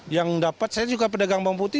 yang dapat saya juga pedagang bawang putih